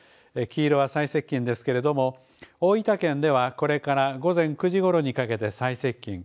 黄色は最接近ですけれども、大分県ではこれから午前９時ごろにかけて最接近。